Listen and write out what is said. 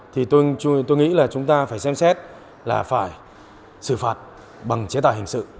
thì tôi nghĩ là chúng ta phải xem xét là phải xử phạt bằng chế tài hình sự